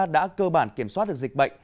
đã cơ bản kiểm soát được dịch bệnh